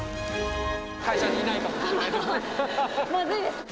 会社にいないかもしれないのまずいです。